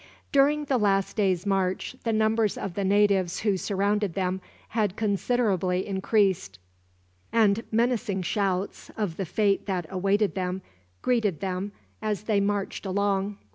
During the last day's march, the numbers of the natives who surrounded them had considerably increased; and menacing shouts, of the fate that awaited them, greeted them as they marched along.